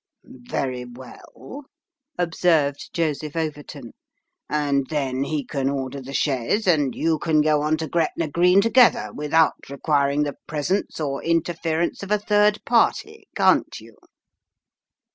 " Very well," observed Joseph Overton, " and then he can order the chaise, and you can go on to Gretna Green together, without re quiring the presence or interference of a third party, can't you